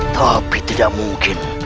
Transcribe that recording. tapi tidak mungkin